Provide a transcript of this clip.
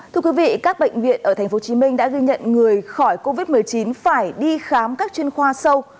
thưa quý vị các bệnh viện ở tp hcm đã ghi nhận người khỏi covid một mươi chín phải đi khám các chuyên khoa sâu